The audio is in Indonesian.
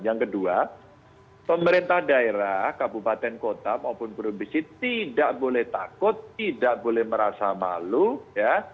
yang kedua pemerintah daerah kabupaten kota maupun provinsi tidak boleh takut tidak boleh merasa malu ya